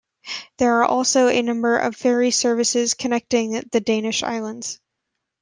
There are also a number of ferry services connecting the Danish islands.